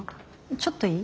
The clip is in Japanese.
ちょっといい？